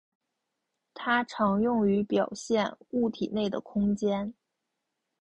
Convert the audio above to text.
它常用于表现物体内的空间。